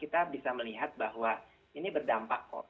kita bisa melihat bahwa ini berdampak kok